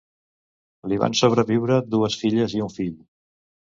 Li van sobreviure dues filles i un fill.